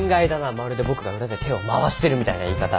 まるで僕が裏で手を回してるみたいな言い方。